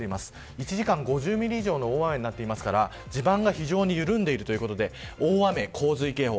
１時間５０ミリ以上の大雨ですから地盤が非常に緩んでいるということで、大雨洪水警報。